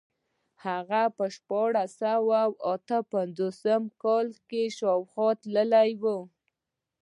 هغه د شپاړس سوه اته پنځوس کال شاوخوا تللی و.